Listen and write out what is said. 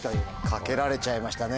懸けられちゃいましたね